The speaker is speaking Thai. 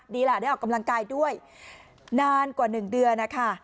ดีล่ะได้ออกกำลังกายด้วยนานกว่า๑เดือนนะคะ